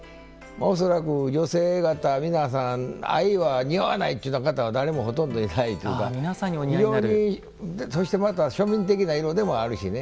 恐らく女性方皆さん藍は似合わないという方は誰もいないというかそしてまた庶民的な色でもあるしね。